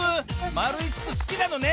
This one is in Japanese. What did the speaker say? まるいつつすきなのね。